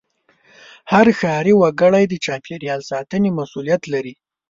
هر ښاري وګړی د چاپېریال ساتنې مسوولیت لري.